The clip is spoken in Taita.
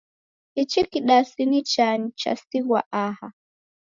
Ichi kidasi ni chani chasighwa aha?